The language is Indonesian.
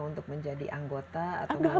untuk menjadi anggota atau